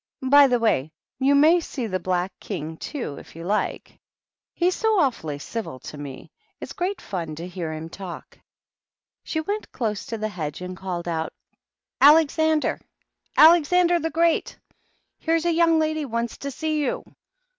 By the way, you may see the Black King, too, if you like; he's so awfully civil to me ; it's great fun to hear him talk." She went close to the hedge, and called out, Alexander / Alexander the Great/ Here's a young lady wants to see you